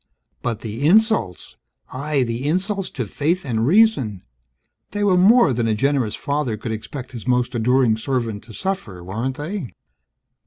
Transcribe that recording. But the insults, aye, the insults to faith and reason! They were more than a generous Father could expect His most adoring servant to suffer, weren't they?